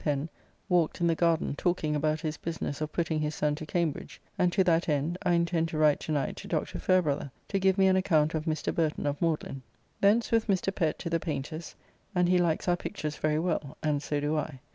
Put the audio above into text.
Pen walked in the garden talking about his business of putting his son to Cambridge; and to that end I intend to write to night to Dr. Fairebrother, to give me an account of Mr. Burton of Magdalene. Thence with Mr. Pett to the Paynter's; and he likes our pictures very well, and so do I.